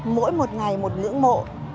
mỗi một ngày một ngưỡng mộ